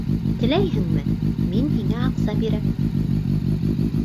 Теләйһеңме, мин һиңә аҡса бирәм!